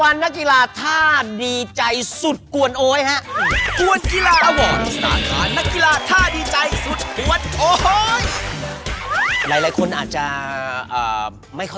รางวัลนักกีฬาธาตร์ดีใจสุดกวนโอ้ยนะค่ะ